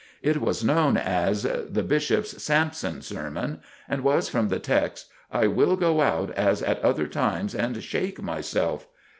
It was known as the "Bishop's Samson Sermon," and was from the text, "I will go out as at other times and shake myself."